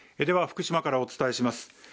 では福島からお伝えします